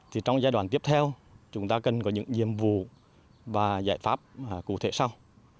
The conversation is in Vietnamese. thì trong giai đoạn tiếp theo chúng ta cần có những nhiệm vụ và giải pháp cụ thể sau